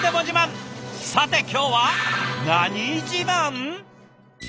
さて今日は何自慢？